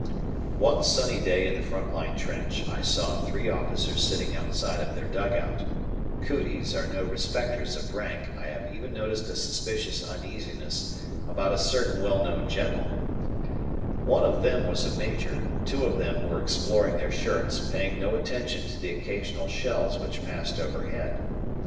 One sunny day in the front line trench, I saw three officers sitting outside of their dugout ("cooties" are no respecters of rank; I have even noticed a suspicious uneasiness about a certain well known general), one of them was a major, two of them were exploring their shirts, paying no attention to the occasional shells which passed overhead.